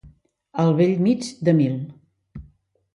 Al bell mig de mil.